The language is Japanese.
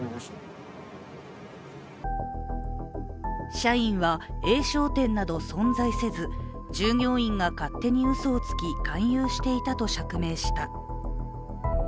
社員は、Ａ商店など存在せず従業員が勝手にうそをつき勧誘していたと釈明した。